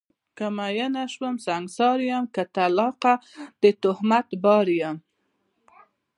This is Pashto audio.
که میینه شوم سنګسار یم، که طلاقه تهمت بار یم